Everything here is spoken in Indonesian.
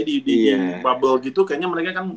di bubble gitu kayaknya mereka kan